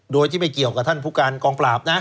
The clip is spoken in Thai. โดยที่ไม่เกี่ยวกับท่านผู้การกองปราบนะ